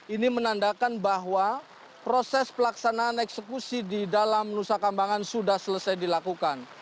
ini menandakan bahwa proses pelaksanaan eksekusi di dalam nusa kambangan sudah selesai dilakukan